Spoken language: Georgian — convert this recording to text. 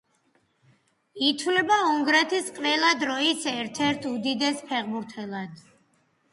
ითვლება უნგრეთის ყველა დროის ერთ-ერთ უდიდეს ფეხბურთელად.